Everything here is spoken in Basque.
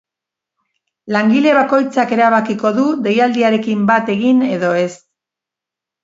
Langile bakoitzak erabakiko du deialdiarekin bat egin edo ez.